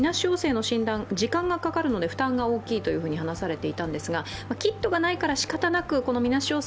陽性の診断、時間がかかるので負担が大きいと話されていたんですが、キットがないからしかたなくみなし